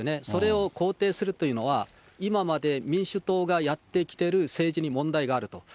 それを肯定するというのは、今まで民主党がやってきている政治に問題があると。